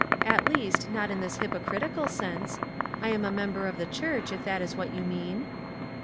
At least not in this hypocritical sense. I am a member of the church, if that is what you mean."